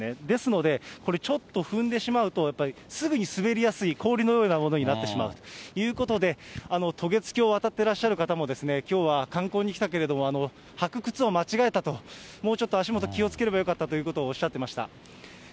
ですので、これちょっと踏んでしまうと、やっぱりすぐに滑りやすい、氷のようなものになってしまうということで、渡月橋を渡ってらっしゃる方も、きょうは観光に来たけれども、履く靴を間違えたと、もうちょっと足元気をつければよかったとおっしゃってました。